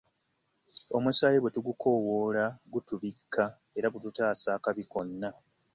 Omusaayi bwe tugukoowoola, gutubikka era gututaasa akabi konna.